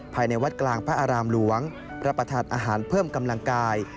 ภายในวัดกลางพระอารามหลวงพระประธานอาหารเพิ่มกำลังกาย